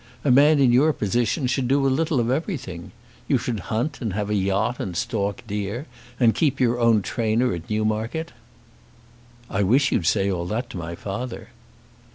A man in your position should do a little of everything. You should hunt and have a yacht, and stalk deer and keep your own trainer at Newmarket." "I wish you'd say all that to my father."